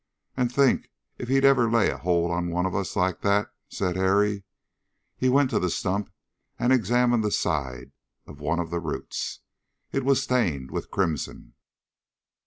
"And think if he'd ever lay a hold on one of us like that!" said Harry. He went to the stump and examined the side of one of the roots. It was stained with crimson.